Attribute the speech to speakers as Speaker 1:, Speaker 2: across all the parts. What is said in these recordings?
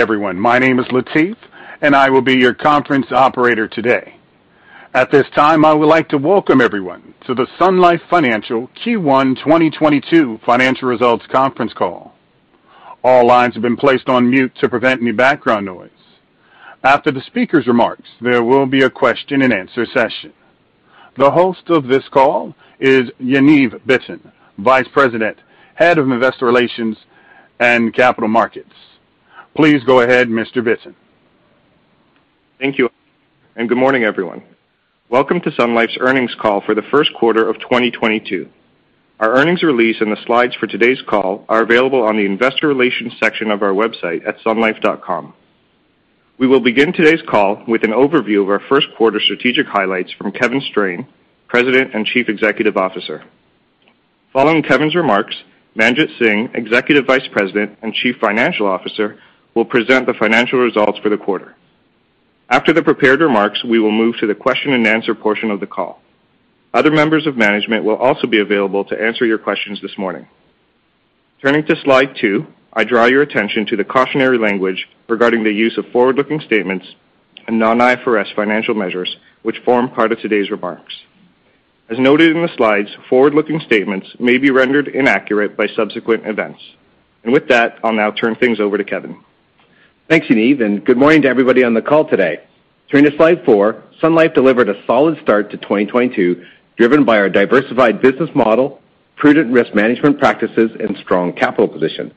Speaker 1: Everyone, my name is Latif, and I will be your conference operator today. At this time, I would like to welcome everyone to the Sun Life Financial Q1 2022 financial results conference call. All lines have been placed on mute to prevent any background noise. After the speaker's remarks, there will be a question-and-answer session. The host of this call is Yaniv Bitton, Vice President, Head of Investor Relations and Capital Markets. Please go ahead, Mr. Bitton.
Speaker 2: Thank you. Good morning, everyone. Welcome to Sun Life's earnings call for the first quarter of 2022. Our earnings release and the slides for today's call are available on the investor relations section of our website at sunlife.com. We will begin today's call with an overview of our first quarter strategic highlights from Kevin Strain, President and Chief Executive Officer. Following Kevin's remarks, Manjit Singh, Executive Vice President and Chief Financial Officer will present the financial results for the quarter. After the prepared remarks, we will move to the question-and-answer portion of the call. Other members of management will also be available to answer your questions this morning. Turning to slide 2, I draw your attention to the cautionary language regarding the use of forward-looking statements and non-IFRS financial measures, which form part of today's remarks. As noted in the slides, forward-looking statements may be rendered inaccurate by subsequent events. With that, I'll now turn things over to Kevin.
Speaker 3: Thanks, Yaniv, and good morning to everybody on the call today. Turning to slide 4, Sun Life delivered a solid start to 2022, driven by our diversified business model, prudent risk management practices, and strong capital position.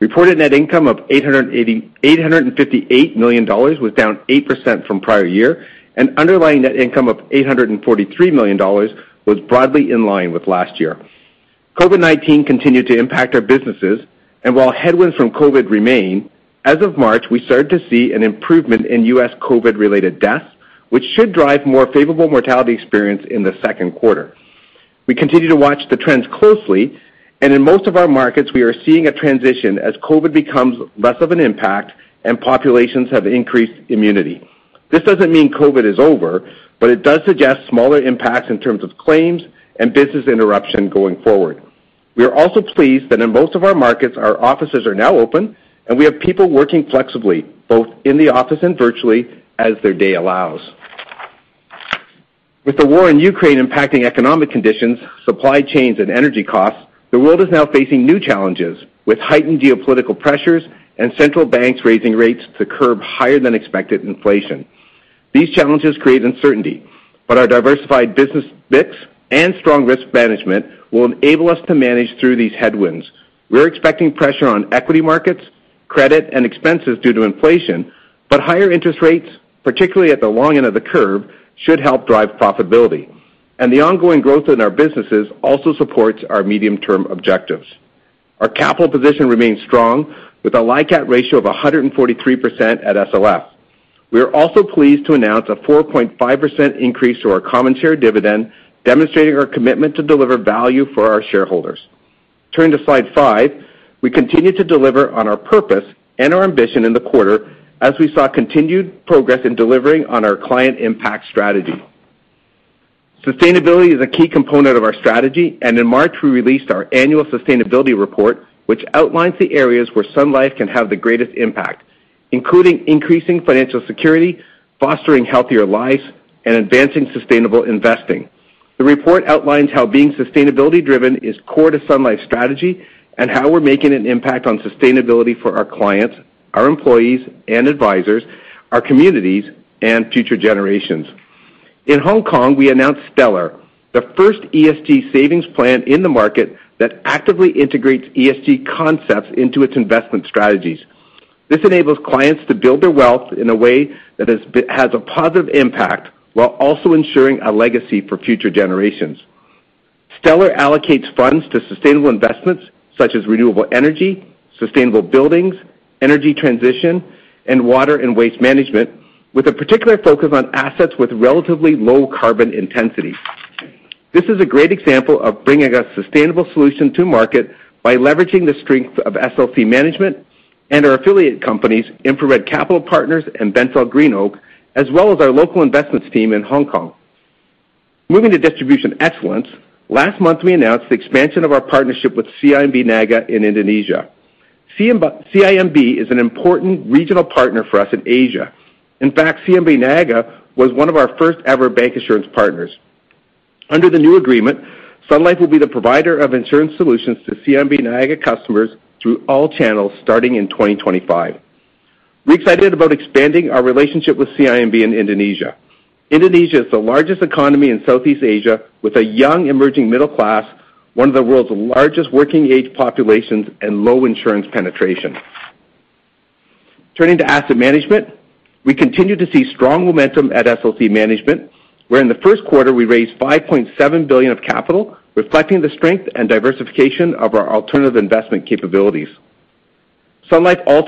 Speaker 3: Reported net income of 858 million dollars was down 8% from prior year, and underlying net income of 843 million dollars was broadly in line with last year. COVID-19 continued to impact our businesses, and while headwinds from COVID remain, as of March, we started to see an improvement in U.S. COVID-related deaths, which should drive more favorable mortality experience in the second quarter. We continue to watch the trends closely, and in most of our markets, we are seeing a transition as COVID becomes less of an impact and populations have increased immunity. This doesn't mean COVID is over, but it does suggest smaller impacts in terms of claims and business interruption going forward. We are also pleased that in most of our markets, our offices are now open, and we have people working flexibly, both in the office and virtually as their day allows. With the war in Ukraine impacting economic conditions, supply chains, and energy costs, the world is now facing new challenges with heightened geopolitical pressures and central banks raising rates to curb higher than expected inflation. These challenges create uncertainty, but our diversified business mix and strong risk management will enable us to manage through these headwinds. We're expecting pressure on equity markets, credit, and expenses due to inflation, but higher interest rates, particularly at the long end of the curve, should help drive profitability. The ongoing growth in our businesses also supports our medium-term objectives. Our capital position remains strong with a LICAT ratio of 143% at SLF. We are also pleased to announce a 4.5% increase to our common share dividend, demonstrating our commitment to deliver value for our shareholders. Turning to slide five, we continue to deliver on our purpose and our ambition in the quarter as we saw continued progress in delivering on our client impact strategy. Sustainability is a key component of our strategy, and in March, we released our annual sustainability report, which outlines the areas where Sun Life can have the greatest impact, including increasing financial security, fostering healthier lives, and advancing sustainable investing. The report outlines how being sustainability-driven is core to Sun Life's strategy and how we're making an impact on sustainability for our clients, our employees and advisors, our communities, and future generations. In Hong Kong, we announced Stellar, the first ESG savings plan in the market that actively integrates ESG concepts into its investment strategies. This enables clients to build their wealth in a way that has a positive impact while also ensuring a legacy for future generations. Stellar allocates funds to sustainable investments such as renewable energy, sustainable buildings, energy transition, and water and waste management, with a particular focus on assets with relatively low carbon intensity. This is a great example of bringing a sustainable solution to market by leveraging the strength of SLC Management and our affiliate companies, InfraRed Capital Partners and BentallGreenOak, as well as our local investments team in Hong Kong. Moving to distribution excellence, last month, we announced the expansion of our partnership with CIMB Niaga in Indonesia. CIMB is an important regional partner for us in Asia. In fact, CIMB Niaga was one of our first-ever bank insurance partners. Under the new agreement, Sun Life will be the provider of insurance solutions to CIMB Niaga customers through all channels starting in 2025. We're excited about expanding our relationship with CIMB in Indonesia. Indonesia is the largest economy in Southeast Asia with a young emerging middle class, one of the world's largest working age populations, and low insurance penetration. Turning to asset management, we continue to see strong momentum at SLC Management, where in the first quarter, we raised 5.7 billion of capital, reflecting the strength and diversification of our alternative investment capabilities. Sun Life was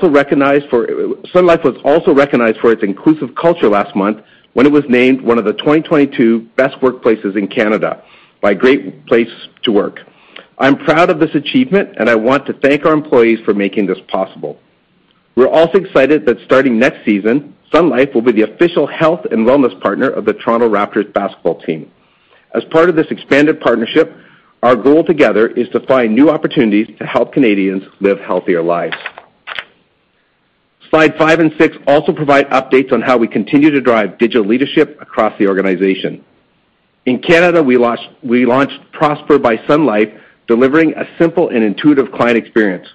Speaker 3: also recognized for its inclusive culture last month when it was named one of the 2022 best workplaces in Canada by Great Place to Work. I'm proud of this achievement, and I want to thank our employees for making this possible. We're also excited that starting next season, Sun Life will be the official health and wellness partner of the Toronto Raptors basketball team. As part of this expanded partnership, our goal together is to find new opportunities to help Canadians live healthier lives. Slide five and six also provide updates on how we continue to drive digital leadership across the organization. In Canada, we launched Prosper by Sun Life, delivering a simple and intuitive client experience.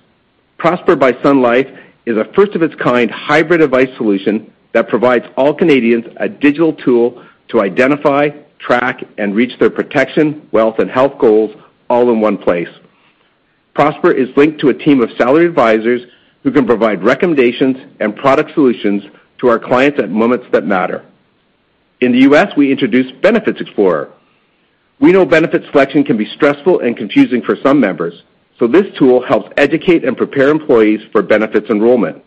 Speaker 3: Prosper by Sun Life is a first of its kind hybrid device solution that provides all Canadians a digital tool to identify, track, and reach their protection, wealth, and health goals all in one place.
Speaker 1: Prosper is linked to a team of salary advisors who can provide recommendations and product solutions to our clients at moments that matter. In the U.S., we introduced Benefits Explorer. We know benefit selection can be stressful and confusing for some members, so this tool helps educate and prepare employees for benefits enrollment.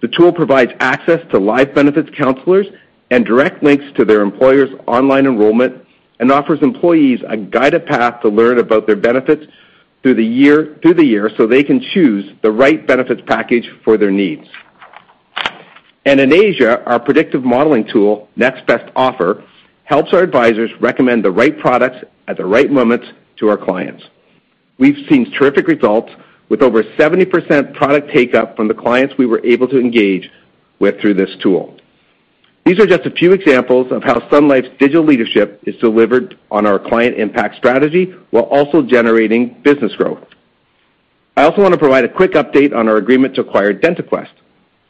Speaker 1: The tool provides access to live benefits counselors and direct links to their employer's online enrollment and offers employees a guided path to learn about their benefits through the year, so they can choose the right benefits package for their needs. In Asia, our predictive modeling tool, Next Best Offer, helps our advisors recommend the right products at the right moments to our clients. We've seen terrific results with over 70% product take-up from the clients we were able to engage with through this tool.
Speaker 3: These are just a few examples of how Sun Life's digital leadership is delivered on our client impact strategy while also generating business growth. I also want to provide a quick update on our agreement to acquire DentaQuest.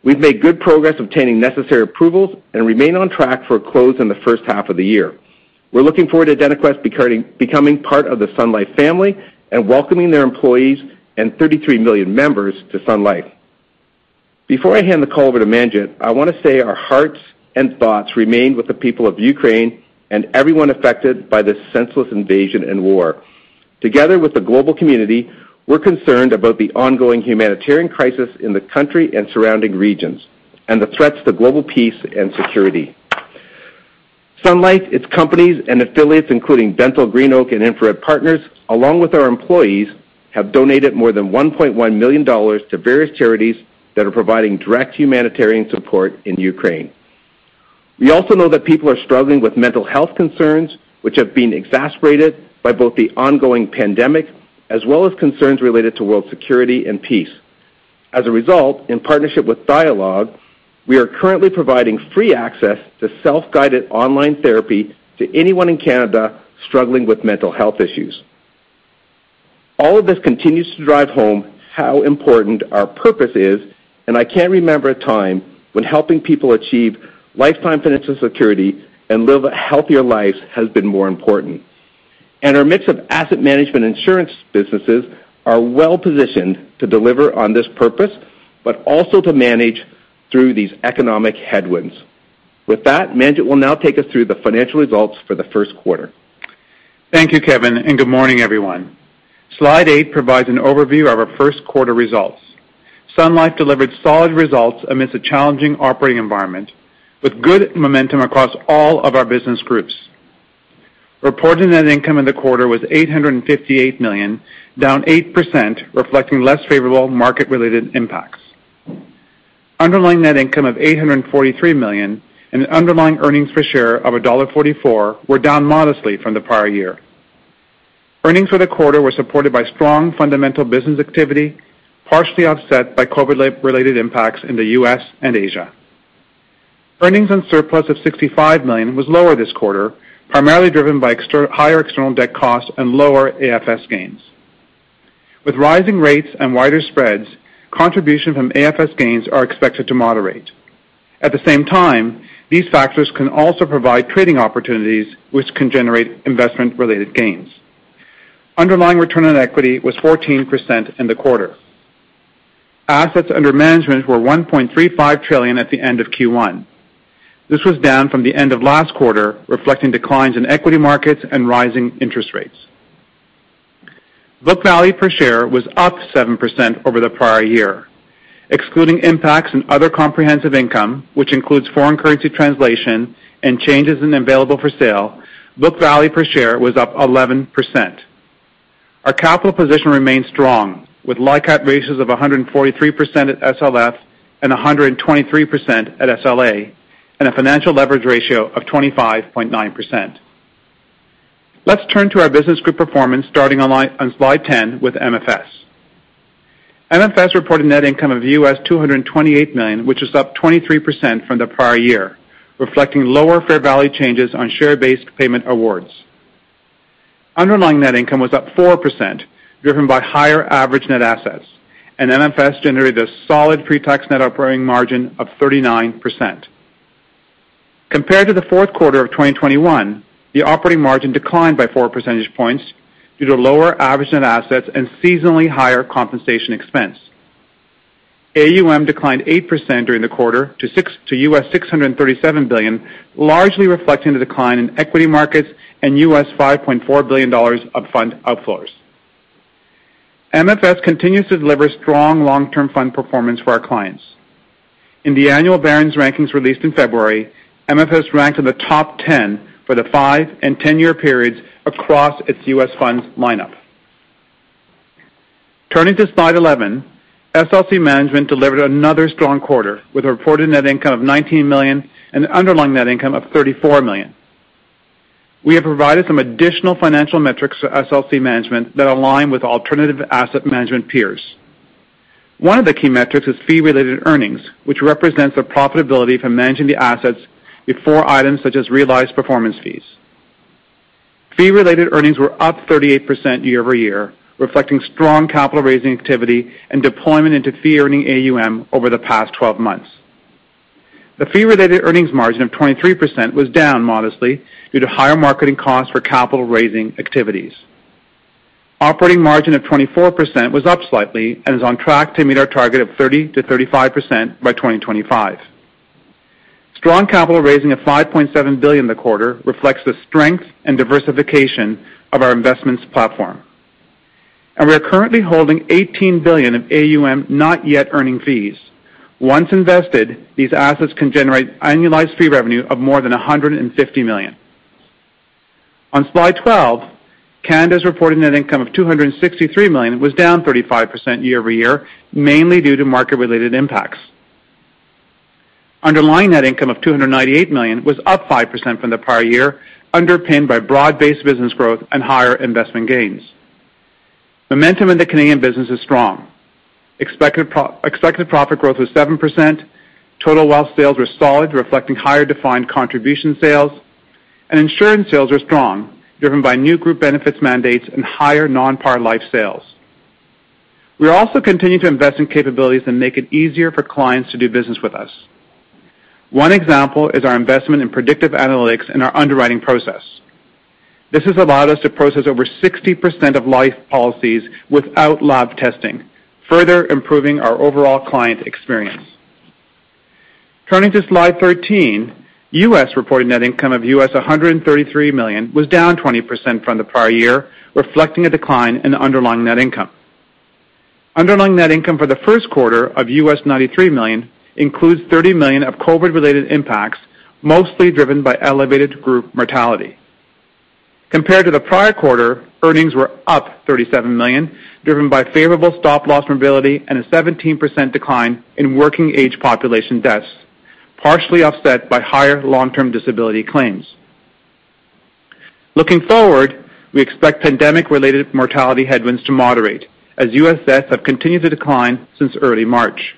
Speaker 3: We've made good progress obtaining necessary approvals and remain on track for a close in the first half of the year. We're looking forward to DentaQuest becoming part of the Sun Life family and welcoming their employees and 33 million members to Sun Life. Before I hand the call over to Manjit, I want to say our hearts and thoughts remain with the people of Ukraine and everyone affected by this senseless invasion and war. Together with the global community, we're concerned about the ongoing humanitarian crisis in the country and surrounding regions, and the threats to global peace and security. Sun Life, its companies and affiliates, including DentaQuest, BentallGreenOak, and InfraRed Capital Partners, along with our employees, have donated more than 1.1 million dollars to various charities that are providing direct humanitarian support in Ukraine. We also know that people are struggling with mental health concerns, which have been exacerbated by both the ongoing pandemic as well as concerns related to world security and peace. As a result, in partnership with Dialogue, we are currently providing free access to self-guided online therapy to anyone in Canada struggling with mental health issues. All of this continues to drive home how important our purpose is, and I can't remember a time when helping people achieve lifetime financial security and live healthier lives has been more important. Our mix of asset management and insurance businesses are well-positioned to deliver on this purpose, but also to manage through these economic headwinds. With that, Manjit will now take us through the financial results for the first quarter.
Speaker 4: Thank you, Kevin, and good morning, everyone. Slide eight provides an overview of our first quarter results. Sun Life delivered solid results amidst a challenging operating environment with good momentum across all of our business groups. Reported net income in the quarter was 858 million, down 8%, reflecting less favorable market-related impacts. Underlying net income of 843 million and underlying earnings per share of dollar 1.44 were down modestly from the prior year. Earnings for the quarter were supported by strong fundamental business activity, partially offset by COVID-related impacts in the U.S. and Asia. Earnings and surplus of 65 million was lower this quarter, primarily driven by higher external debt costs and lower AFS gains. With rising rates and wider spreads, contribution from AFS gains are expected to moderate. At the same time, these factors can also provide trading opportunities, which can generate investment related gains. Underlying return on equity was 14% in the quarter. Assets under management were 1.35 trillion at the end of Q1. This was down from the end of last quarter, reflecting declines in equity markets and rising interest rates. Book value per share was up 7% over the prior year, excluding impacts in other comprehensive income, which includes foreign currency translation and changes in available for sale. Book value per share was up 11%. Our capital position remains strong, with LICAT ratios of 143% at SLF and 123% at SLA, and a financial leverage ratio of 25.9%. Let's turn to our business group performance, starting on slide ten with MFS. MFS reported net income of $228 million, which is up 23% from the prior year, reflecting lower fair value changes on share-based payment awards. Underlying net income was up 4%, driven by higher average net assets, and MFS generated a solid pre-tax net operating margin of 39%. Compared to the fourth quarter of 2021, the operating margin declined by four percentage points due to lower average net assets and seasonally higher compensation expense. AUM declined 8% during the quarter to $637 billion, largely reflecting the decline in equity markets and $5.4 billion of fund outflows. MFS continues to deliver strong long-term fund performance for our clients. In the annual Barron's rankings released in February, MFS ranked in the top 10 for the 5- and 10-year periods across its US funds lineup. Turning to slide 11, SLC Management delivered another strong quarter with a reported net income of 19 million and underlying net income of 34 million. We have provided some additional financial metrics to SLC Management that align with alternative asset management peers. One of the key metrics is fee-related earnings, which represents the profitability from managing the assets before items such as realized performance fees. Fee-related earnings were up 38% year-over-year, reflecting strong capital raising activity and deployment into fee-earning AUM over the past 12 months. The fee-related earnings margin of 23% was down modestly due to higher marketing costs for capital raising activities. Operating margin of 24% was up slightly and is on track to meet our target of 30%-35% by 2025. Strong capital raising of 5.7 billion in the quarter reflects the strength and diversification of our investments platform. We are currently holding 18 billion of AUM, not yet earning fees. Once invested, these assets can generate annualized fee revenue of more than 150 million. On slide 12, Canada's reported net income of 263 million was down 35% year-over-year, mainly due to market-related impacts. Underlying net income of 298 million was up 5% from the prior year, underpinned by broad-based business growth and higher investment gains. Momentum in the Canadian business is strong. Expected profit growth was 7%. Total wealth sales were solid, reflecting higher defined contribution sales. Insurance sales were strong, driven by new group benefits mandates and higher non-par life sales. We are also continuing to invest in capabilities that make it easier for clients to do business with us. One example is our investment in predictive analytics in our underwriting process. This has allowed us to process over 60% of life policies without lab testing, further improving our overall client experience. Turning to slide 13, U.S. reported net income of $133 million was down 20% from the prior year, reflecting a decline in the underlying net income. Underlying net income for the first quarter of $93 million includes $30 million of COVID-related impacts, mostly driven by elevated group mortality. Compared to the prior quarter, earnings were up CAD 37 million, driven by favorable stop loss morbidity and a 17% decline in working age population deaths, partially offset by higher long-term disability claims. Looking forward, we expect pandemic-related mortality headwinds to moderate as U.S. deaths have continued to decline since early March.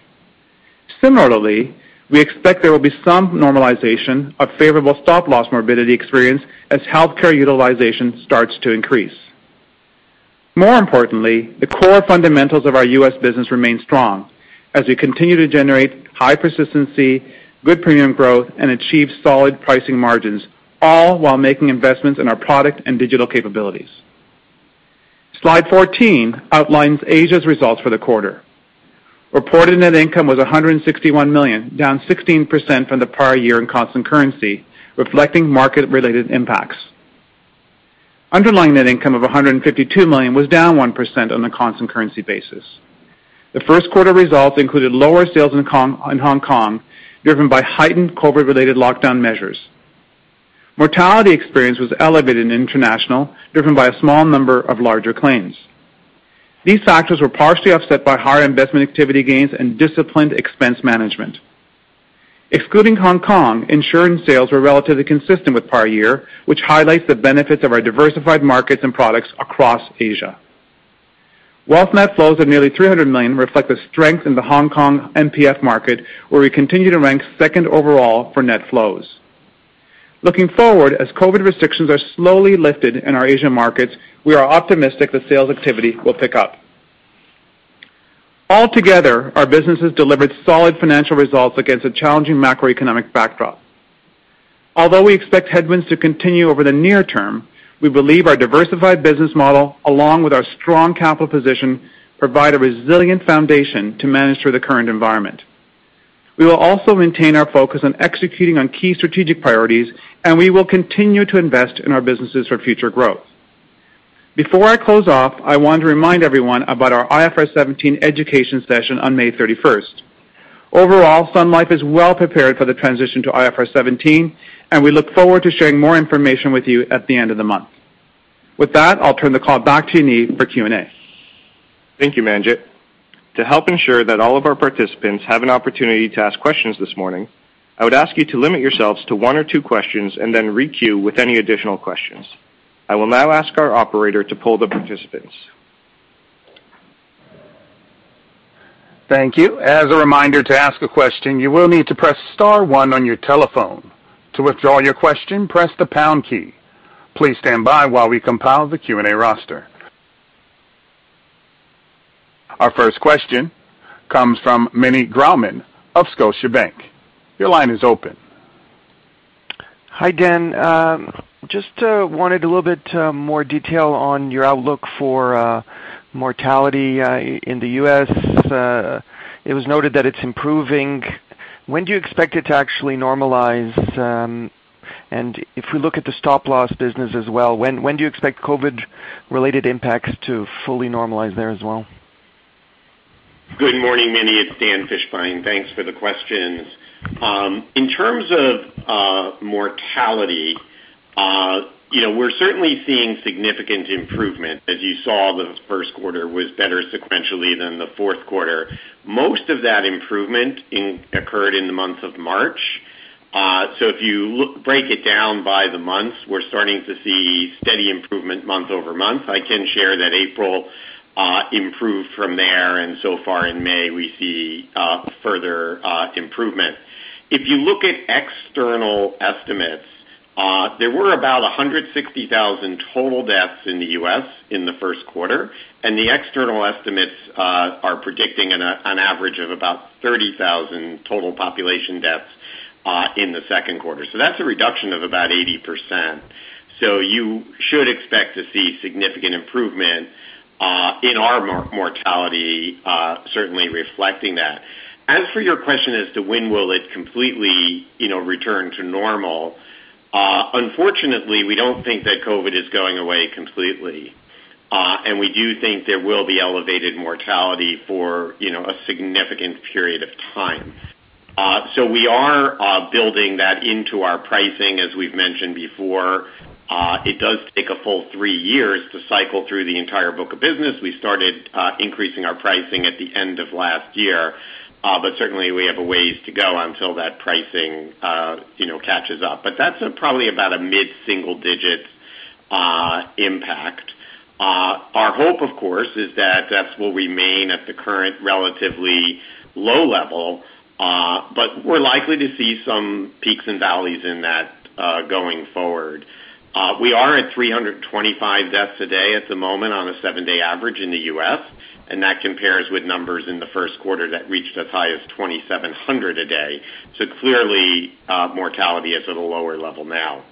Speaker 4: Similarly, we expect there will be some normalization of favorable stop loss morbidity experience as healthcare utilization starts to increase. More importantly, the core fundamentals of our U.S. business remain strong as we continue to generate high persistency, good premium growth, and achieve solid pricing margins, all while making investments in our product and digital capabilities. Slide 14 outlines Asia's results for the quarter. Reported net income was 161 million, down 16% from the prior year in constant currency, reflecting market-related impacts. Underlying net income of 152 million was down 1% on a constant currency basis. The first quarter results included lower sales in Hong Kong, driven by heightened COVID-related lockdown measures. Mortality experience was elevated in international, driven by a small number of larger claims. These factors were partially offset by higher investment activity gains and disciplined expense management. Excluding Hong Kong, insurance sales were relatively consistent with prior year, which highlights the benefits of our diversified markets and products across Asia. Wealth net flows of nearly 300 million reflect the strength in the Hong Kong MPF market, where we continue to rank second overall for net flows. Looking forward, as COVID restrictions are slowly lifted in our Asian markets, we are optimistic that sales activity will pick up. Altogether, our businesses delivered solid financial results against a challenging macroeconomic backdrop. Although we expect headwinds to continue over the near term, we believe our diversified business model, along with our strong capital position, provide a resilient foundation to manage through the current environment. We will also maintain our focus on executing on key strategic priorities, and we will continue to invest in our businesses for future growth. Before I close off, I want to remind everyone about our IFRS 17 education session on May thirty-first. Overall, Sun Life is well prepared for the transition to IFRS 17, and we look forward to sharing more information with you at the end of the month. With that, I'll turn the call back to Yaniv for Q&A.
Speaker 2: Thank you, Manjit. To help ensure that all of our participants have an opportunity to ask questions this morning, I would ask you to limit yourselves to one or two questions and then re-queue with any additional questions. I will now ask our operator to poll the participants.
Speaker 1: Thank you. As a reminder, to ask a question, you will need to press star one on your telephone. To withdraw your question, press the pound key. Please stand by while we compile the Q&A roster. Our first question comes from Meny Grauman of Scotiabank. Your line is open.
Speaker 5: Hi again. Just wanted a little bit more detail on your outlook for mortality in the U.S. It was noted that it's improving. When do you expect it to actually normalize? If we look at the stop loss business as well, when do you expect COVID-related impacts to fully normalize there as well?
Speaker 6: Good morning, Meny. It's Dan Fishbein. Thanks for the questions. In terms of mortality, you know, we're certainly seeing significant improvement. As you saw, the first quarter was better sequentially than the fourth quarter. Most of that improvement occurred in the month of March. So break it down by the months, we're starting to see steady improvement month-over-month. I can share that April improved from there, and so far in May, we see further improvement. If you look at external estimates, there were about 160,000 total deaths in the U.S. in the first quarter, and the external estimates are predicting an average of about 30,000 total population deaths in the second quarter. That's a reduction of about 80%. You should expect to see significant improvement in our mortality, certainly reflecting that. As for your question as to when will it completely, you know, return to normal, unfortunately, we don't think that COVID is going away completely, and we do think there will be elevated mortality for, you know, a significant period of time. We are building that into our pricing, as we've mentioned before. It does take a full three years to cycle through the entire book of business. We started increasing our pricing at the end of last year, but certainly we have a ways to go until that pricing, you know, catches up. That's probably about a mid-single digit impact. Our hope, of course, is that deaths will remain at the current relatively low level, but we're likely to see some peaks and valleys in that, going forward. We are at 325 deaths a day at the moment on a seven-day average in the U.S., and that compares with numbers in the first quarter that reached as high as 2,700 a day. Clearly, mortality is at a lower level now.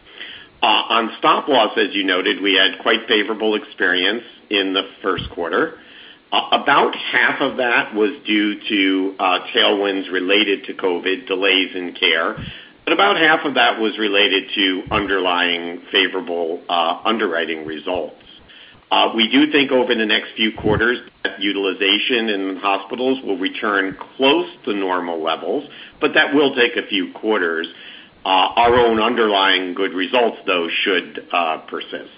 Speaker 6: On stop loss, as you noted, we had quite favorable experience in the first quarter. About half of that was due to tailwinds related to COVID delays in care, but about half of that was related to underlying favorable underwriting results. We do think over the next few quarters that utilization in hospitals will return close to normal levels, but that will take a few quarters. Our own underlying good results, though, should persist.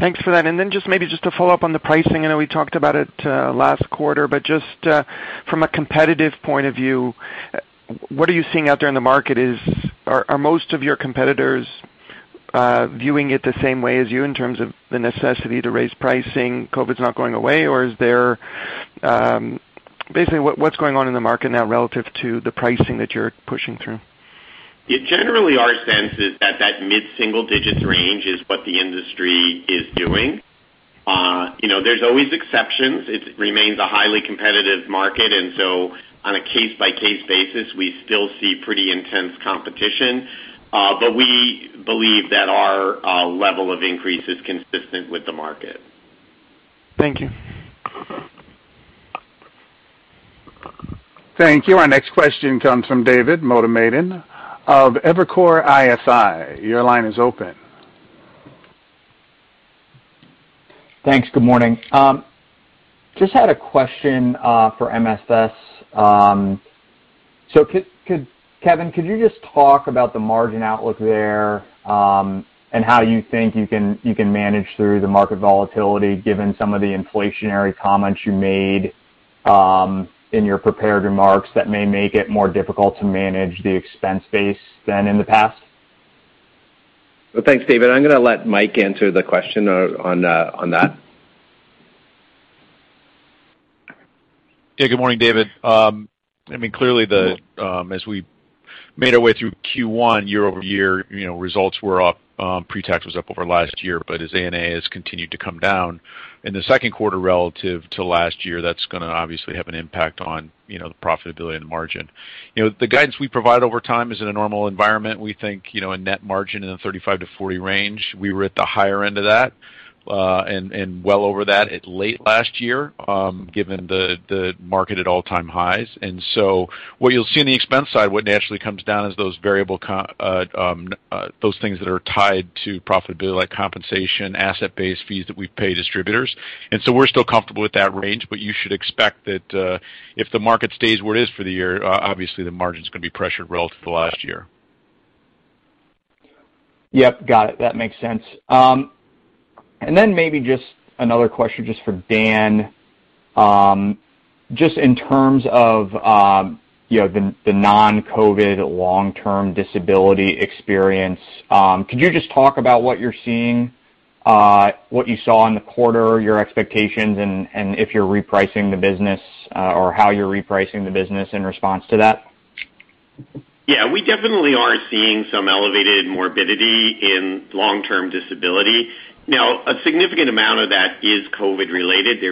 Speaker 5: Thanks for that. Just maybe to follow up on the pricing, I know we talked about it last quarter, but just from a competitive point of view, what are you seeing out there in the market? Are most of your competitors viewing it the same way as you in terms of the necessity to raise pricing, COVID's not going away, or is there? Basically, what's going on in the market now relative to the pricing that you're pushing through?
Speaker 6: Yeah, generally our sense is that that mid-single digits range is what the industry is doing. You know, there's always exceptions. It remains a highly competitive market, and so on a case-by-case basis, we still see pretty intense competition, but we believe that our level of increase is consistent with the market.
Speaker 5: Thank you.
Speaker 1: Thank you. Our next question comes from David Motemaden of Evercore ISI. Your line is open.
Speaker 7: Thanks. Good morning. Just had a question for MFS. Kevin, could you just talk about the margin outlook there, and how you think you can manage through the market volatility given some of the inflationary comments you made in your prepared remarks that may make it more difficult to manage the expense base than in the past?
Speaker 3: Well, thanks, David. I'm gonna let Mike answer the question on that.
Speaker 8: Yeah, good morning, David. I mean, clearly as we made our way through Q1 year-over-year, you know, results were up, pre-tax was up over last year. As ANA has continued to come down in the second quarter relative to last year, that's gonna obviously have an impact on, you know, the profitability and the margin. You know, the guidance we provide over time is in a normal environment. We think, you know, a net margin in the 35-40 range. We were at the higher end of that, and well over that at late last year, given the market at all-time highs. What you'll see on the expense side, what naturally comes down is those things that are tied to profitability like compensation, asset-based fees that we pay distributors. We're still comfortable with that range, but you should expect that if the market stays where it is for the year, obviously the margin's gonna be pressured relative to last year.
Speaker 7: Yep, got it. That makes sense. Maybe just another question just for Dan. Just in terms of, you know, the non-COVID long-term disability experience, could you just talk about what you're seeing, what you saw in the quarter, your expectations, and if you're repricing the business, or how you're repricing the business in response to that?
Speaker 6: Yeah, we definitely are seeing some elevated morbidity in long-term disability. Now, a significant amount of that is COVID-related.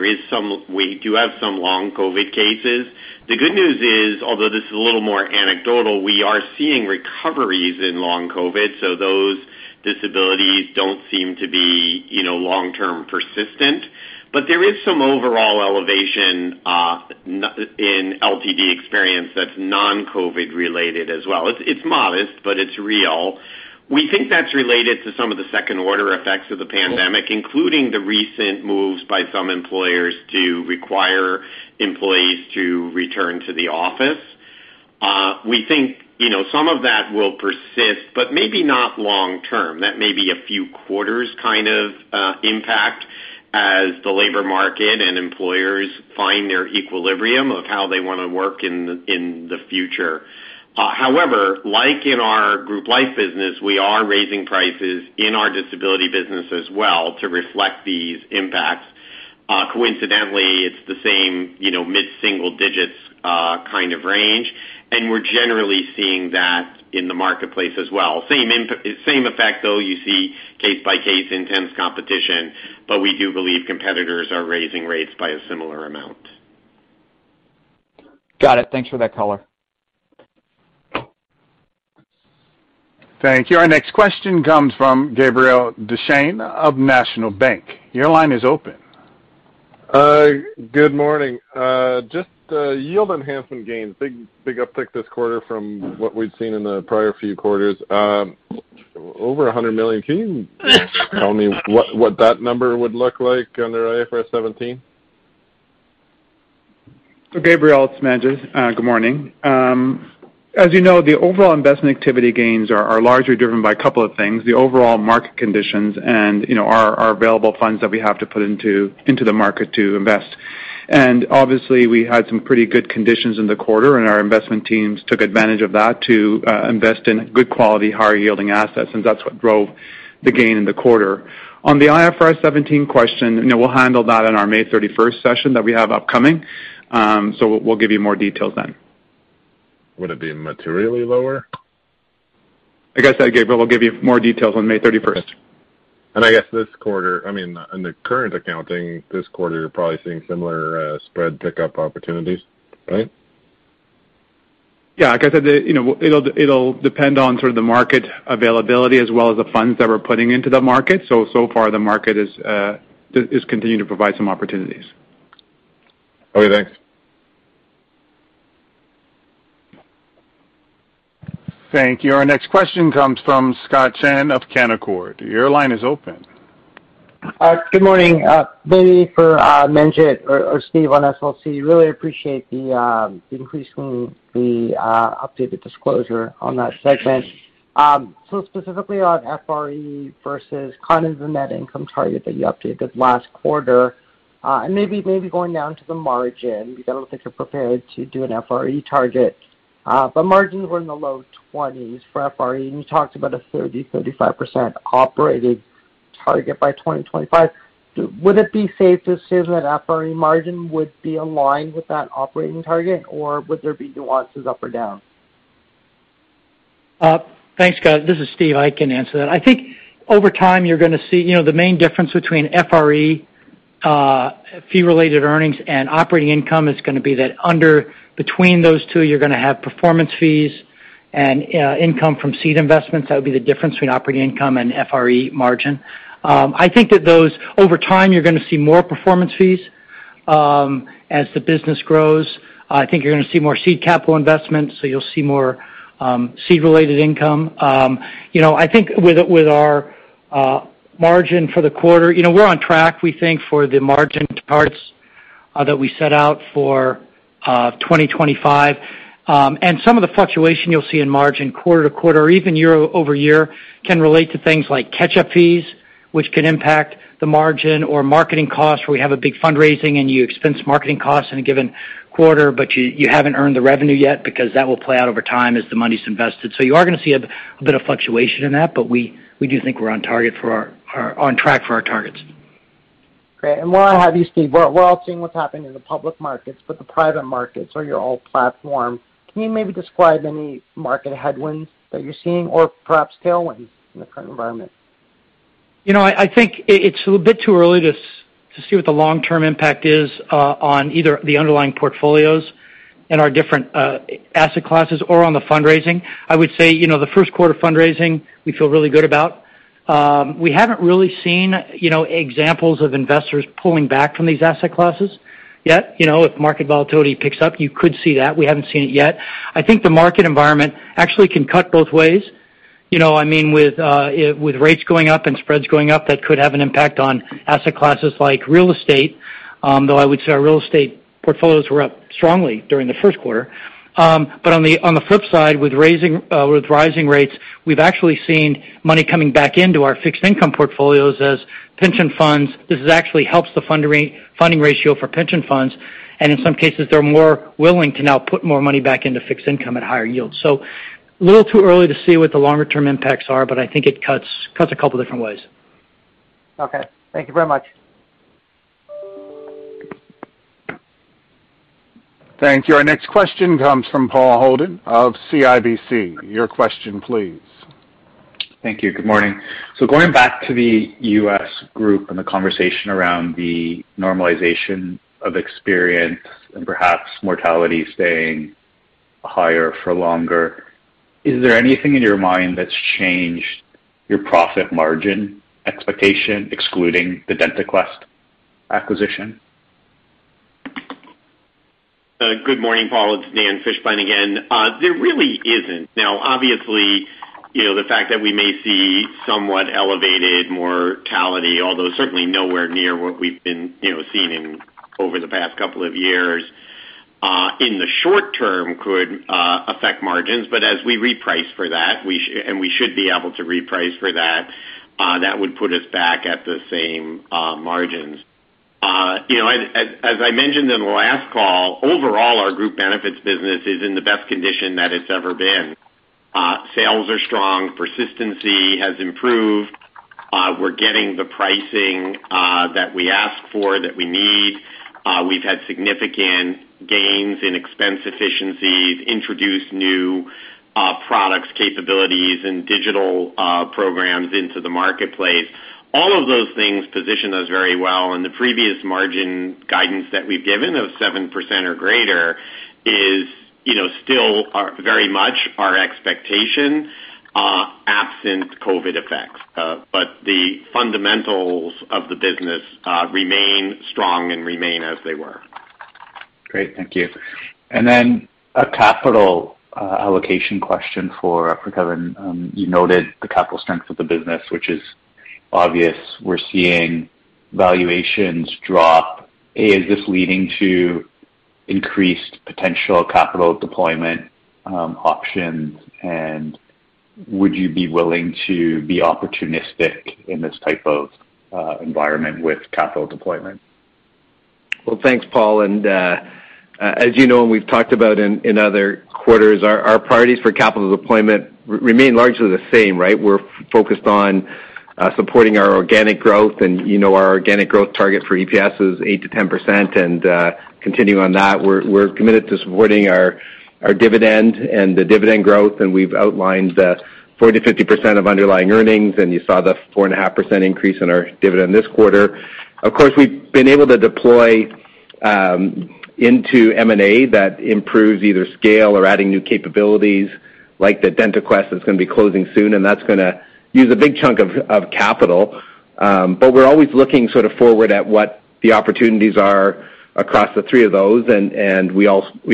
Speaker 6: We do have some long COVID cases. The good news is, although this is a little more anecdotal, we are seeing recoveries in long COVID, so those disabilities don't seem to be, you know, long-term persistent. But there is some overall elevation in LTD experience that's non-COVID related as well. It's modest, but it's real. We think that's related to some of the second order effects of the pandemic, including the recent moves by some employers to require employees to return to the office. We think, you know, some of that will persist, but maybe not long term. That may be a few quarters kind of impact as the labor market and employers find their equilibrium of how they wanna work in the future. However, like in our group life business, we are raising prices in our disability business as well to reflect these impacts. Coincidentally, it's the same, you know, mid-single digits kind of range, and we're generally seeing that in the marketplace as well. Same effect though, you see case by case intense competition, but we do believe competitors are raising rates by a similar amount.
Speaker 7: Got it. Thanks for that color.
Speaker 1: Thank you. Our next question comes from Gabriel Dechaine of National Bank, Your line is open.
Speaker 9: Good morning. Just yield enhancement gains. Big uptick this quarter from what we'd seen in the prior few quarters. Over 100 million. Can you tell me what that number would look like under IFRS 17?
Speaker 4: Gabriel, it's Manjit. Good morning. As you know, the overall investment activity gains are largely driven by a couple of things, the overall market conditions and, you know, our available funds that we have to put into the market to invest. Obviously, we had some pretty good conditions in the quarter, and our investment teams took advantage of that to invest in good quality, higher yielding assets, and that's what drove the gain in the quarter. On the IFRS 17 question, you know, we'll handle that on our May 31st session that we have upcoming. We'll give you more details then.
Speaker 9: Would it be materially lower?
Speaker 4: I guess, Gabriel, we'll give you more details on May 31st.
Speaker 9: I guess this quarter, I mean, on the current accounting this quarter, you're probably seeing similar spread pickup opportunities, right?
Speaker 4: Yeah. Like I said, you know, it'll depend on sort of the market availability as well as the funds that we're putting into the market. So far the market is continuing to provide some opportunities.
Speaker 9: Okay, thanks.
Speaker 1: Thank you. Our next question comes from Scott Chan of Canaccord. Your line is open.
Speaker 10: Good morning. Maybe for Manjit or Steve on SLC. Really appreciate the increase in the updated disclosure on that segment. Specifically on FRE versus kind of the net income target that you updated last quarter, and maybe going down to the margin because I don't think you're prepared to do an FRE target. Margins were in the low 20s% for FRE, and you talked about a 30-35% operating target by 2025. Would it be safe to assume that FRE margin would be aligned with that operating target, or would there be nuances up or down?
Speaker 11: Thanks, Scott. This is Steve. I can answer that. I think over time you're gonna see. You know, the main difference between FRE, fee related earnings and operating income is gonna be that between those two, you're gonna have performance fees and, income from seed investments. That would be the difference between operating income and FRE margin. I think that those over time you're gonna see more performance fees, as the business grows. I think you're gonna see more seed capital investments, so you'll see more, seed related income. You know, I think with our margin for the quarter, you know, we're on track, we think, for the margin targets, that we set out for 2025. Some of the fluctuation you'll see in margin quarter-over-quarter or even year-over-year can relate to things like catch-up fees, which can impact the margin or marketing costs, where we have a big fundraising and you expense marketing costs in a given quarter, but you haven't earned the revenue yet because that will play out over time as the money's invested. You are gonna see a bit of fluctuation in that, but we do think we're on track for our targets.
Speaker 10: Great. While I have you, Steve, we're all seeing what's happened in the public markets, but the private markets are your all platform. Can you maybe describe any market headwinds that you're seeing or perhaps tailwinds in the current environment?
Speaker 11: You know, I think it's a bit too early to see what the long term impact is on either the underlying portfolios in our different asset classes or on the fundraising. I would say, you know, the first quarter fundraising we feel really good about. We haven't really seen, you know, examples of investors pulling back from these asset classes yet. You know, if market volatility picks up, you could see that. We haven't seen it yet. I think the market environment actually can cut both ways. You know, I mean, with rates going up and spreads going up, that could have an impact on asset classes like real estate. Though I would say our real estate portfolios were up strongly during the first quarter. On the flip side, with rising rates, we've actually seen money coming back into our fixed income portfolios as pension funds. This actually helps the funding ratio for pension funds, and in some cases, they're more willing to now put more money back into fixed income at higher yields. A little too early to see what the longer term impacts are, but I think it cuts a couple different ways.
Speaker 10: Okay. Thank you very much.
Speaker 1: Thank you. Our next question comes from Paul Holden of CIBC. Your question, please.
Speaker 12: Thank you. Good morning. Going back to the U.S. group and the conversation around the normalization of experience and perhaps mortality staying higher for longer, is there anything in your mind that's changed your profit margin expectation excluding the DentaQuest acquisition?
Speaker 6: Good morning, Paul. It's Dan Fishbein again. There really isn't. Now, obviously, you know, the fact that we may see somewhat elevated mortality, although certainly nowhere near what we've been, you know, seeing in over the past couple of years, in the short term could affect margins. But as we reprice for that, and we should be able to reprice for that would put us back at the same margins. You know, as I mentioned in the last call, overall, our group benefits business is in the best condition that it's ever been. Sales are strong. Persistency has improved. We're getting the pricing that we ask for, that we need. We've had significant gains in expense efficiencies, introduced new products, capabilities and digital programs into the marketplace. All of those things position us very well. The previous margin guidance that we've given, of 7% or greater is, you know, still our, very much our expectation, absent COVID effects. The fundamentals of the business remain strong and remain as they were.
Speaker 12: Great. Thank you. A capital allocation question for Kevin. You noted the capital strength of the business, which is obvious. We're seeing valuations drop. Is this leading to increased potential capital deployment options, and would you be willing to be opportunistic in this type of environment with capital deployment?
Speaker 3: Well, thanks, Paul. As you know, and we've talked about in other quarters, our priorities for capital deployment remain largely the same, right? We're focused on supporting our organic growth. You know, our organic growth target for EPS is 8%-10%. Continuing on that, we're committed to supporting our dividend and the dividend growth. We've outlined 40%-50% of underlying earnings, and you saw the 4.5% increase in our dividend this quarter. Of course, we've been able to deploy into M&A that improves either scale or adding new capabilities, like the DentaQuest that's gonna be closing soon, and that's gonna use a big chunk of capital. But we're always looking sort of forward at what the opportunities are across the three of those. We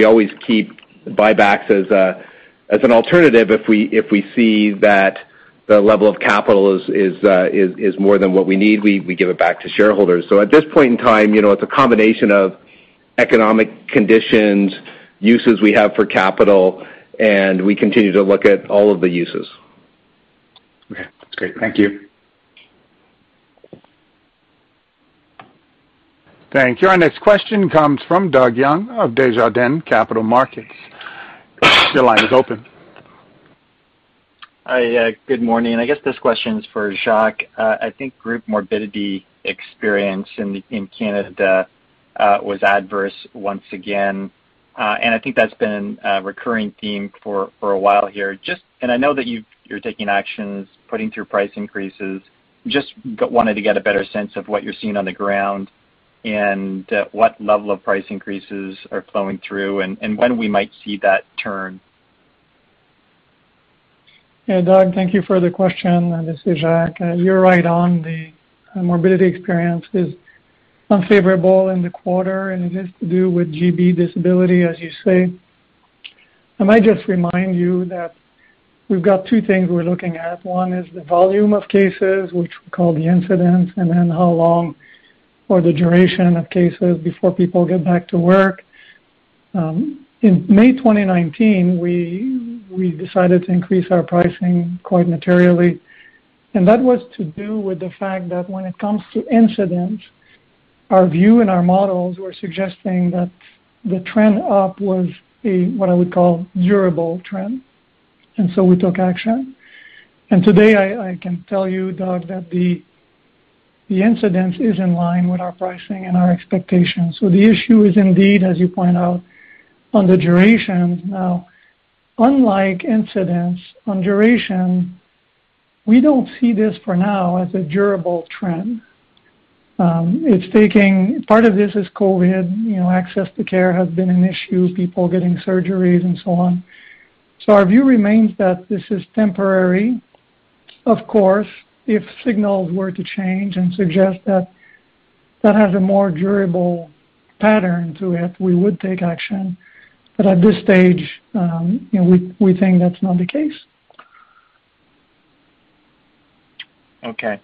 Speaker 3: always keep buybacks as an alternative. If we see that the level of capital is more than what we need, we give it back to shareholders. At this point in time, you know, it's a combination of economic conditions, uses we have for capital, and we continue to look at all of the uses.
Speaker 12: Okay. That's great. Thank you.
Speaker 1: Thank you. Our next question comes from Doug Young of Desjardins Capital Markets. Your line is open.
Speaker 13: Hi. Good morning. I guess this question is for Jacques. I think group morbidity experience in Canada was adverse once again. I think that's been a recurring theme for a while here. Just, I know that you're taking actions, putting through price increases. Just wanted to get a better sense of what you're seeing on the ground and what level of price increases are flowing through and when we might see that turn.
Speaker 14: Yeah. Doug, thank you for the question. This is Jacques. You're right on the morbidity experience is unfavorable in the quarter, and it has to do with GB disability, as you say. I might just remind you that we've got two things we're looking at. One is the volume of cases, which we call the incidence, and then how long or the duration of cases before people get back to work. In May 2019, we decided to increase our pricing quite materially, and that was to do with the fact that when it comes to incidence, our view and our models were suggesting that the trend up was a what I would call durable trend. Today, I can tell you, Doug, that the incidence is in line with our pricing and our expectations. The issue is indeed, as you point out, on the duration. Now, unlike incidence, on duration, we don't see this for now as a durable trend. Part of this is COVID. You know, access to care has been an issue, people getting surgeries and so on. Our view remains that this is temporary. Of course, if signals were to change and suggest that has a more durable pattern to it, we would take action. But at this stage, you know, we think that's not the case.
Speaker 13: Okay.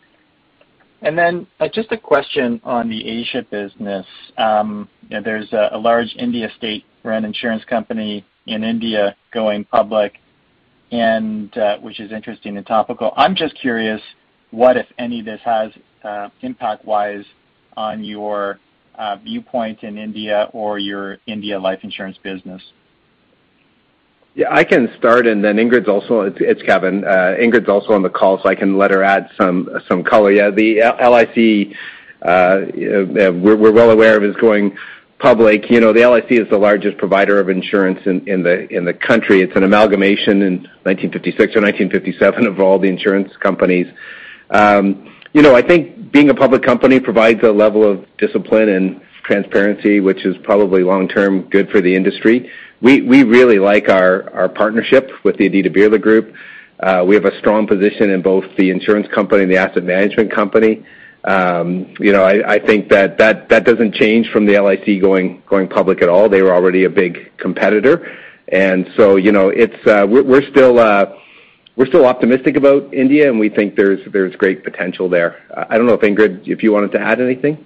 Speaker 13: Just a question on the Asia business. You know, there's a large Indian state-run insurance company in India going public and which is interesting and topical. I'm just curious what, if any, this has impact-wise on your viewpoint in India or your India life insurance business.
Speaker 3: Yeah, I can start, and then Ingrid's also on the call, so I can let her add some color. Yeah, the LIC we're well aware of is going public. You know, the LIC is the largest provider of insurance in the country. It's an amalgamation in 1956 or 1957 of all the insurance companies. You know, I think being a public company provides a level of discipline and transparency, which is probably long-term good for the industry. We really like our partnership with the Aditya Birla Group. We have a strong position in both the insurance company and the asset management company. You know, I think that doesn't change from the LIC going public at all. They were already a big competitor. You know, we're still optimistic about India, and we think there's great potential there. I don't know if Ingrid, if you wanted to add anything.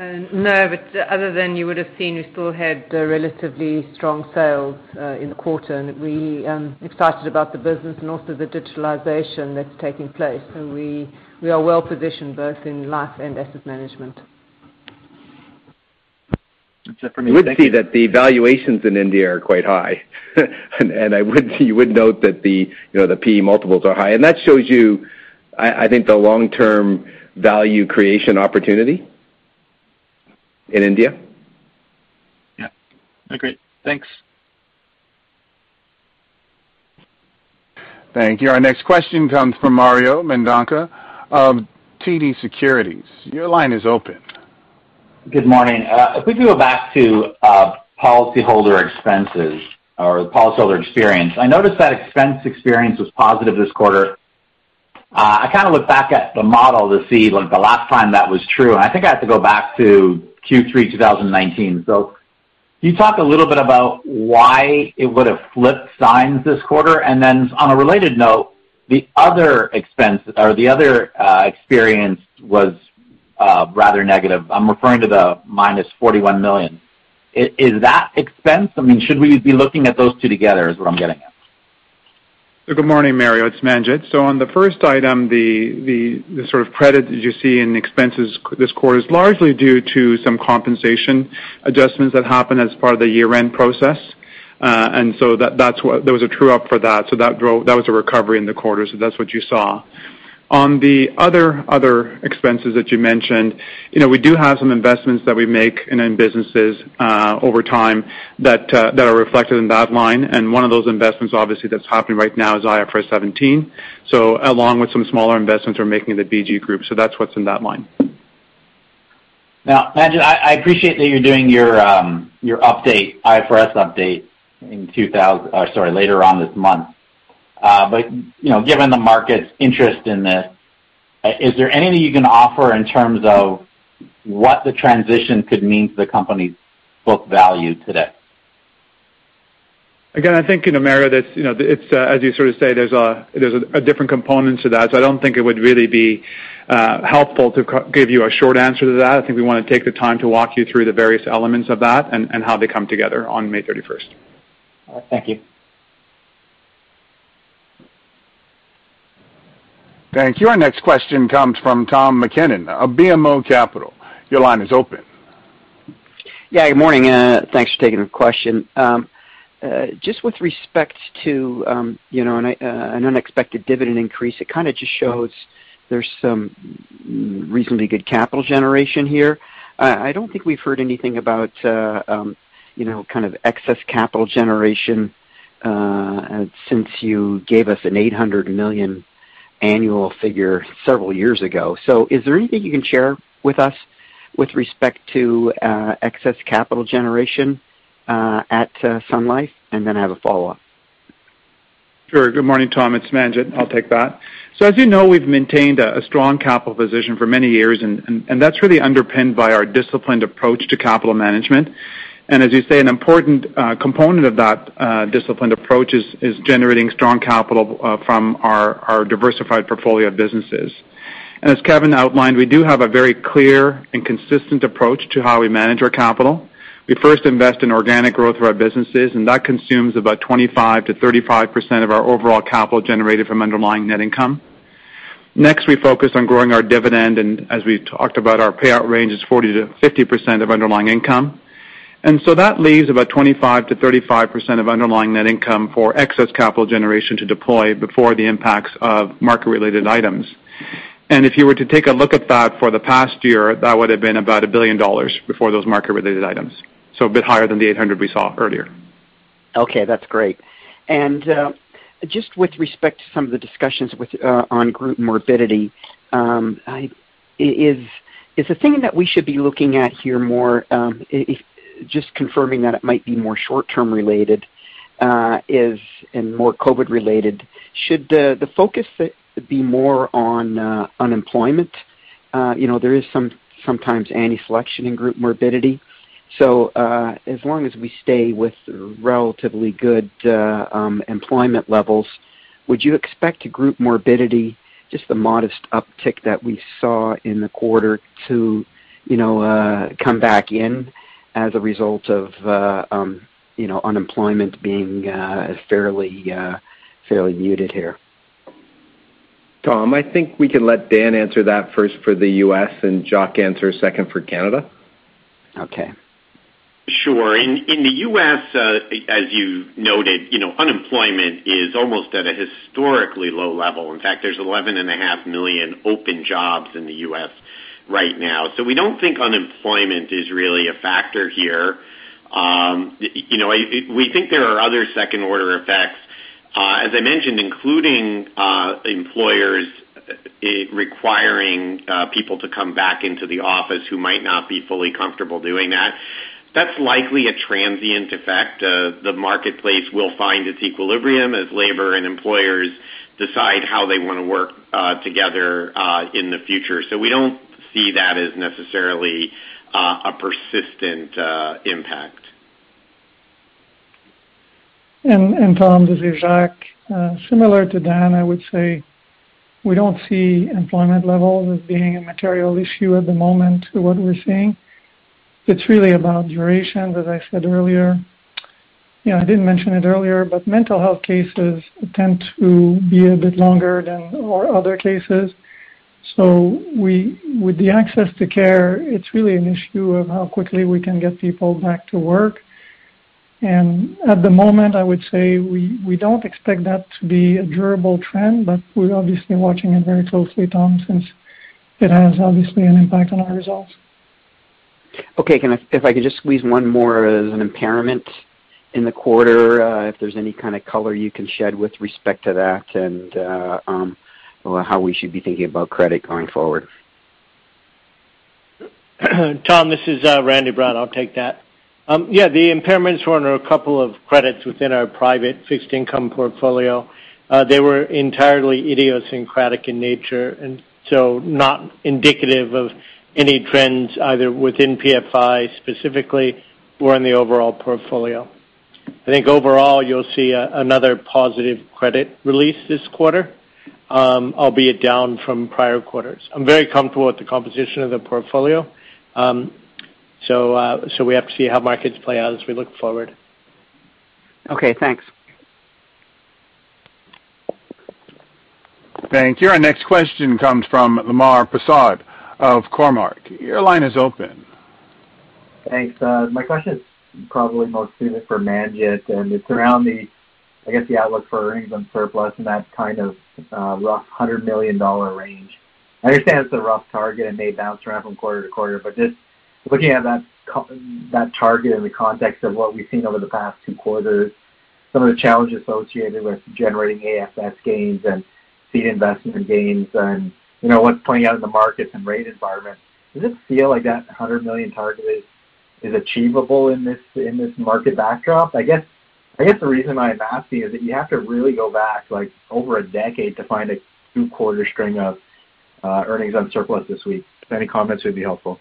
Speaker 15: No, but other than that, you would have seen, we still had a relatively strong sales in the quarter, and we're excited about the business and also the digitalization that's taking place. We are well positioned both in life and asset management.
Speaker 13: That's it for me. Thank you.
Speaker 3: You would see that the valuations in India are quite high. You would note that, you know, the PE multiples are high. That shows you, I think, the long-term value creation opportunity in India.
Speaker 13: Yeah. Agree. Thanks.
Speaker 1: Thank you. Our next question comes from Mario Mendonca of TD Securities. Your line is open.
Speaker 16: Good morning. If we can go back to policyholder expenses or policyholder experience. I noticed that expense experience was positive this quarter. I kind of look back at the model to see when the last time that was true, and I think I have to go back to Q3 2019. Can you talk a little bit about why it would have flipped signs this quarter? On a related note, the other expense or the other experience was rather negative. I'm referring to the -41 million. Is that expense? I mean, should we be looking at those two together, is what I'm getting at.
Speaker 4: Good morning, Mario. It's Manjit. On the first item, the sort of credit that you see in expenses this quarter is largely due to some compensation adjustments that happened as part of the year-end process. That's what. There was a true up for that. That was a recovery in the quarter. That's what you saw. On the other expenses that you mentioned, you know, we do have some investments that we make in businesses over time that are reflected in that line, and one of those investments obviously that's happening right now is IFRS 17. Along with some smaller investments we're making in the BGO group. That's what's in that line.
Speaker 16: Now, Manjit, I appreciate that you're doing your IFRS update later on this month. You know, given the market's interest in this, is there anything you can offer in terms of what the transition could mean to the company's book value today?
Speaker 4: Again, I think, you know, Mario, that, you know, it's. As you sort of say, there's a different component to that. So I don't think it would really be helpful to give you a short answer to that. I think we wanna take the time to walk you through the various elements of that and how they come together on May 31st.
Speaker 16: All right. Thank you.
Speaker 1: Thank you. Our next question comes from Tom MacKinnon of BMO Capital. Your line is open.
Speaker 17: Yeah. Good morning. Thanks for taking the question. Just with respect to, you know, an unexpected dividend increase, it kind of just shows there's some reasonably good capital generation here. I don't think we've heard anything about, you know, kind of excess capital generation since you gave us 800 million annual figure several years ago. Is there anything you can share with us with respect to excess capital generation at Sun Life? And then I have a follow-up.
Speaker 4: Sure. Good morning, Tom. It's Manjit. I'll take that. As you know, we've maintained a strong capital position for many years and that's really underpinned by our disciplined approach to capital management. As you say, an important component of that disciplined approach is generating strong capital from our diversified portfolio of businesses. As Kevin outlined, we do have a very clear and consistent approach to how we manage our capital. We first invest in organic growth of our businesses, and that consumes about 25%-35% of our overall capital generated from underlying net income. Next, we focus on growing our dividend, and as we talked about, our payout range is 40%-50% of underlying income. That leaves about 25%-35% of underlying net income for excess capital generation to deploy before the impacts of market related items. If you were to take a look at that for the past year, that would have been about 1 billion dollars before those market related items. A bit higher than the 800 million we saw earlier.
Speaker 17: Okay, that's great. Just with respect to some of the discussions on group morbidity, is the thing that we should be looking at here more just confirming that it might be more short-term related and more COVID related. Should the focus be more on unemployment? You know, there is sometimes anti-selection in group morbidity. So, as long as we stay with relatively good employment levels, would you expect a group morbidity, just the modest uptick that we saw in the quarter to, you know, come back in as a result of, you know, unemployment being fairly muted here?
Speaker 3: Tom, I think we can let Dan answer that first for the U.S. and Jacques answer second for Canada.
Speaker 17: Okay.
Speaker 6: Sure. In the U.S., as you noted, you know, unemployment is almost at a historically low level. In fact, there's 11.5 million open jobs in the U.S. Right now. We don't think unemployment is really a factor here. We think there are other second order effects. As I mentioned, including employers requiring people to come back into the office who might not be fully comfortable doing that's likely a transient effect. The marketplace will find its equilibrium as labor and employers decide how they wanna work together in the future. We don't see that as necessarily a persistent impact.
Speaker 14: Tom, this is Jacques. Similar to Dan, I would say we don't see employment levels as being a material issue at the moment to what we're seeing. It's really about duration, as I said earlier. Yeah, I didn't mention it earlier, but mental health cases tend to be a bit longer than our other cases. With the access to care, it's really an issue of how quickly we can get people back to work. At the moment, I would say we don't expect that to be a durable trend, but we're obviously watching it very closely, Tom, since it has obviously an impact on our results.
Speaker 17: Okay. If I could just squeeze one more. There's an impairment in the quarter, if there's any kind of color you can shed with respect to that and how we should be thinking about credit going forward.
Speaker 18: Tom, this is Randy Brown. I'll take that. Yeah, the impairments were on a couple of credits within our private fixed income portfolio. They were entirely idiosyncratic in nature, and so not indicative of any trends either within PFI specifically or in the overall portfolio. I think overall you'll see another positive credit release this quarter, albeit down from prior quarters. I'm very comfortable with the composition of the portfolio, so we have to see how markets play out as we look forward.
Speaker 17: Okay, thanks.
Speaker 1: Thank you. Our next question comes from Lemar Persaud of Cormark. Your line is open.
Speaker 19: Thanks. My question is probably most suited for Manjit, and it's around the, I guess, the outlook for earnings and surplus, and that's kind of rough 100 million dollar range. I understand it's a rough target and may bounce around from quarter to quarter, but just looking at that target in the context of what we've seen over the past two quarters, some of the challenges associated with generating AFS gains and seed investment gains and, you know, what's playing out in the markets and rate environment. Does it feel like that 100 million target is achievable in this market backdrop? I guess the reason why I'm asking is that you have to really go back, like, over a decade to find a two-quarter string of earnings on surplus this weak. Any comments would be helpful.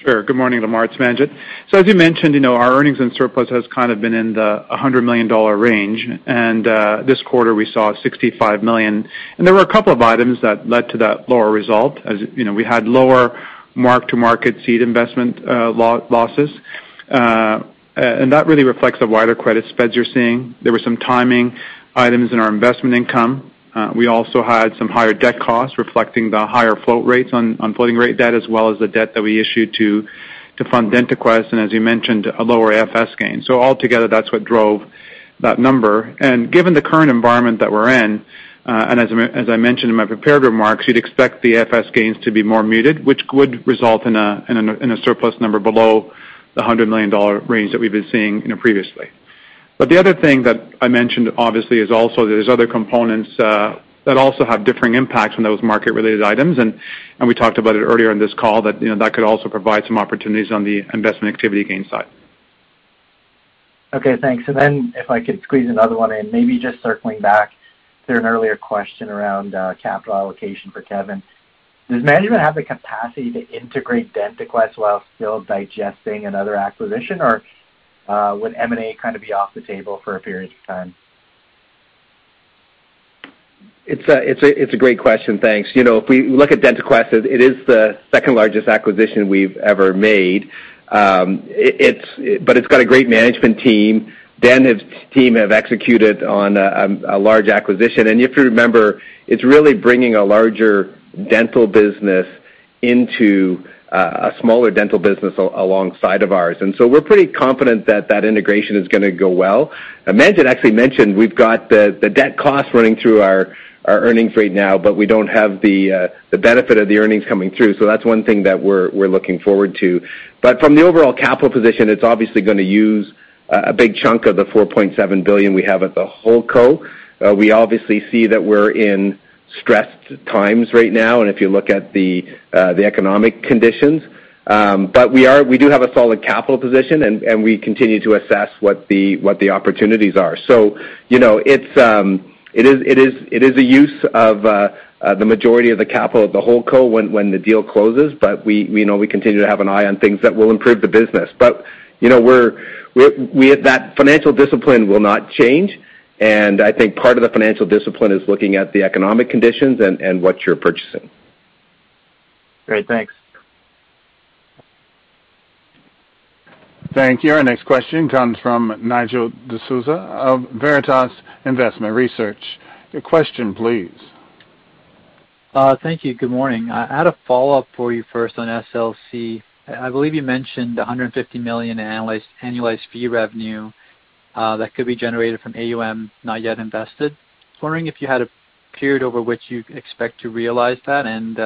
Speaker 4: Sure. Good morning, Lemar, it's Manjit. As you mentioned, you know, our earnings and surplus has kind of been in the 100 million dollar range. This quarter we saw 65 million. There were a couple of items that led to that lower result. As you know, we had lower mark-to-market seed investment losses. And that really reflects the wider credit spreads you're seeing. There were some timing items in our investment income. We also had some higher debt costs reflecting the higher floating rates on floating rate debt, as well as the debt that we issued to fund DentaQuest, and as you mentioned, a lower AFS gain. Altogether, that's what drove that number. Given the current environment that we're in, and as I mentioned in my prepared remarks, you'd expect the AFS gains to be more muted, which would result in a surplus number below the 100 million dollar range that we've been seeing, you know, previously. The other thing that I mentioned obviously is also there's other components that also have differing impacts from those market-related items. We talked about it earlier in this call that, you know, that could also provide some opportunities on the investment activity gain side.
Speaker 19: Okay, thanks. If I could squeeze another one in, maybe just circling back to an earlier question around capital allocation for Kevin. Does management have the capacity to integrate DentaQuest while still digesting another acquisition, or would M&A kind of be off the table for a period of time?
Speaker 3: It's a great question. Thanks. You know, if we look at DentaQuest, it is the second largest acquisition we've ever made. But it's got a great management team. Dan and his team have executed on a large acquisition. If you remember, it's really bringing a larger dental business into a smaller dental business alongside of ours. We're pretty confident that integration is gonna go well. Manjit actually mentioned we've got the debt cost running through our earnings right now, but we don't have the benefit of the earnings coming through. That's one thing that we're looking forward to. From the overall capital position, it's obviously gonna use a big chunk of the 4.7 billion we have at the holdco. We obviously see that we're in stressed times right now, and if you look at the economic conditions. We do have a solid capital position, and we continue to assess what the opportunities are. You know, it is a use of the majority of the capital of the holdco when the deal closes. We know we continue to have an eye on things that will improve the business. You know, we have that financial discipline will not change, and I think part of the financial discipline is looking at the economic conditions and what you're purchasing.
Speaker 19: Great. Thanks.
Speaker 1: Thank you. Our next question comes from Nigel D'Souza of Veritas Investment Research. Your question, please.
Speaker 20: Thank you. Good morning. I had a follow-up for you first on SLC. I believe you mentioned the 150 million annualized fee revenue that could be generated from AUM not yet invested. I was wondering if you had a period over which you expect to realize that, and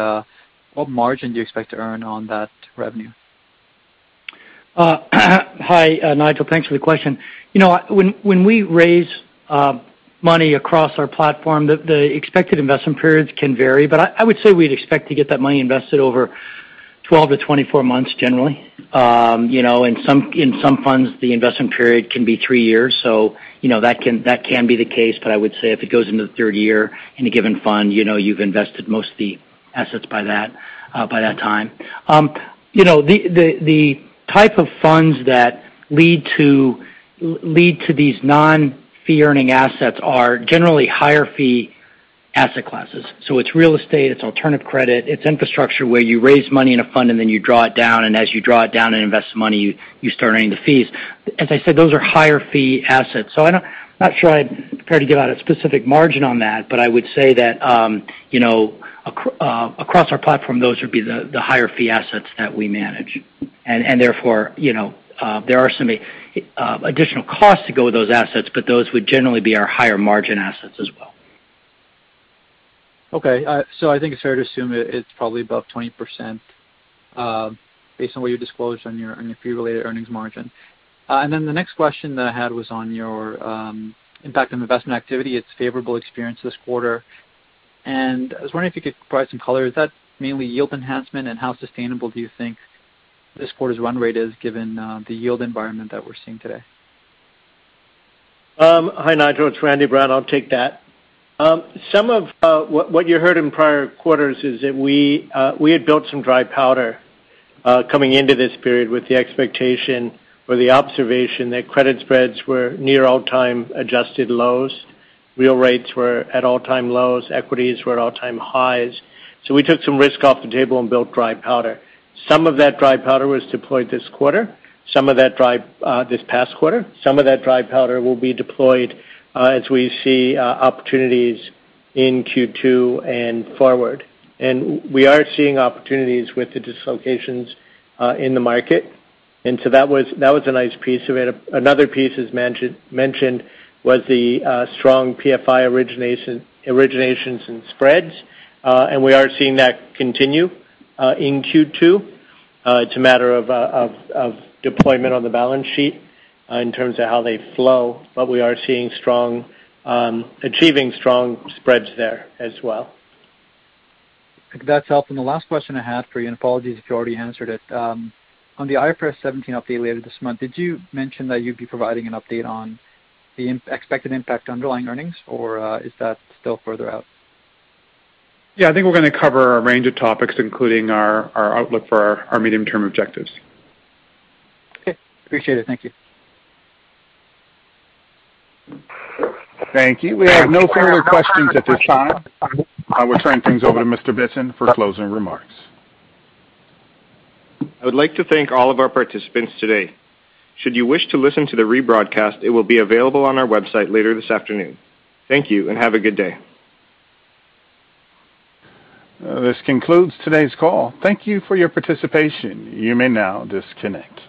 Speaker 20: what margin do you expect to earn on that revenue?
Speaker 11: Hi, Nigel. Thanks for the question. You know, when we raise money across our platform, the expected investment periods can vary, but I would say we'd expect to get that money invested over 12-24 months generally. You know, in some funds, the investment period can be three years, so you know, that can be the case. I would say if it goes into the third year in a given fund, you know, you've invested most of the assets by that time. You know, the type of funds that lead to these non-fee-earning assets are generally higher fee asset classes. It's real estate, it's alternative credit, it's infrastructure, where you raise money in a fund and then you draw it down, and as you draw it down and invest the money, you start earning the fees. As I said, those are higher fee assets. I'm not sure I'd be prepared to give out a specific margin on that. I would say that, you know, across our platform, those would be the higher fee assets that we manage. Therefore, you know, there are some additional costs to go with those assets, but those would generally be our higher margin assets as well.
Speaker 20: Okay. I think it's fair to assume it's probably above 20%, based on what you disclosed on your fee-related earnings margin. The next question that I had was on your impact from investment activity, it's favorable experience this quarter. I was wondering if you could provide some color. Is that mainly yield enhancement? How sustainable do you think this quarter's run rate is given the yield environment that we're seeing today?
Speaker 18: Hi, Nigel. It's Randy Brown. I'll take that. Some of what you heard in prior quarters is that we had built some dry powder coming into this period with the expectation or the observation that credit spreads were near all-time adjusted lows. Real rates were at all-time lows. Equities were at all-time highs. We took some risk off the table and built dry powder. Some of that dry powder was deployed this past quarter. Some of that dry powder will be deployed as we see opportunities in Q2 and forward. We are seeing opportunities with the dislocations in the market. That was a nice piece. Another piece, as mentioned, was the strong PFI originations and spreads.
Speaker 11: We are seeing that continue in Q2. It's a matter of deployment on the balance sheet in terms of how they flow, but we are seeing strong achieving strong spreads there as well.
Speaker 20: That's helpful. The last question I had for you, and apologies if you already answered it. On the IFRS 17 update later this month, did you mention that you'd be providing an update on the expected impact on underlying earnings, or is that still further out?
Speaker 4: Yeah. I think we're gonna cover a range of topics, including our outlook for our medium-term objectives.
Speaker 20: Okay. Appreciate it. Thank you.
Speaker 1: Thank you. We have no further questions at this time. We're turning things over to Mr. Bitton for closing remarks.
Speaker 2: I would like to thank all of our participants today. Should you wish to listen to the rebroadcast, it will be available on our website later this afternoon. Thank you, and have a good day.
Speaker 1: This concludes today's call. Thank you for your participation. You may now disconnect.